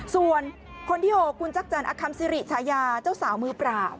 ส่วนคนที่๖คุณจักรจันทร์อคัมซิริชายาเจ้าสาวมือเปล่า